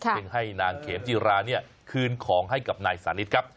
จึงให้นางเขมจิราเนี่ยคืนของให้กับนายสานิทครับ